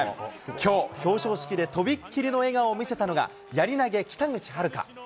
きょう、表彰式で飛びっ切りの笑顔を見せたのが、やり投げ、北口榛花。